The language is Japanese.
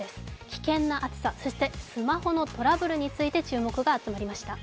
危険な暑さ、そしてスマホのトラブルについて注目が集まりました。